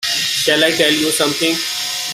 Shall I tell you something?